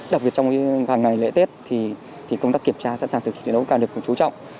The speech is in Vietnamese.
đặc biệt trong hàng ngày lễ tết thì công tác kiểm tra sẵn sàng thực hiện chiến đấu càng được chú trọng